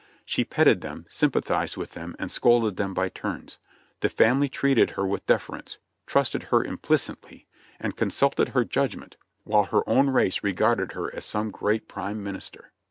She petted them, sym pathized with them and scolded them by turns. The family treated her with deference, trusted her implicitly, and consulted her judg ment, while her own race regarded her as some great prime min ister.